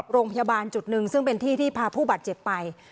โรงพยาบาลจุดหนึ่งซึ่งเป็นที่ที่พาผู้บาดเจ็บไป